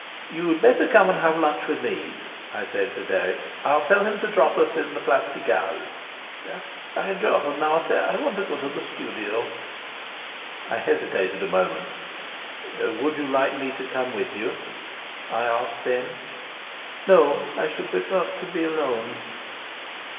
"You'd better come and have lunch with me," I said to Dirk. "I'll tell him to drop us in the Place Pigalle." "I'd rather not. I want to go to the studio." I hesitated a moment. "Would you like me to come with you?" I asked then. "No; I should prefer to be alone."